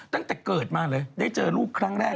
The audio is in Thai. ตั้งแต่เกิดมาเลยได้เจอลูกครั้งแรก